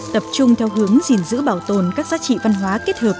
tập trung theo hướng gìn giữ bảo tồn các giá trị văn hóa kết hợp